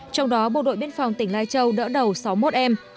trong đó bộ đội biên phòng tỉnh lai châu đỡ đầu sáu mươi một em